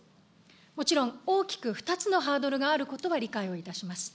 もちろん大きく２つのハードルがあることは理解をいたします。